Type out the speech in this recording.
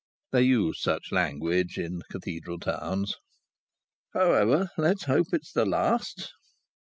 (They use such language in cathedral towns.) "However, let's hope it's the last."